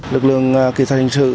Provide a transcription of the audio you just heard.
lực lượng kỹ thuật hình sự